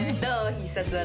必殺技。